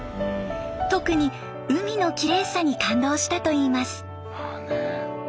特に海のきれいさに感動したといいます。